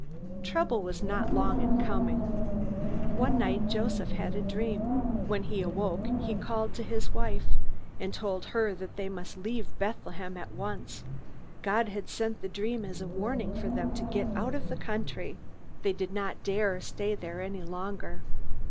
Trouble was not long in coming. One night Joseph had a dream. When he awoke he called to his wife, and told her that they must leave Bethlehem at once. God had sent the dream as a warning for them to get out of the country. They did not dare to stay there any longer.